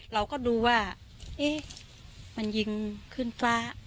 เราก็ดูว่าเอ๊ะมันยิงขึ้นฟ้า